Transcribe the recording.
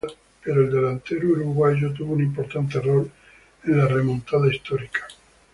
Pero el delantero uruguayo tuvo un importante rol en la remontada histórica.